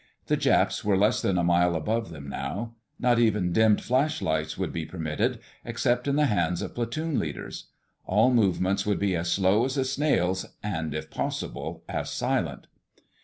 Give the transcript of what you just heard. The Japs were less than a mile above them now. Not even dimmed flashlights would be permitted, except in the hands of platoon leaders. All movements would be as slow as a snail's and, if possible, as silent.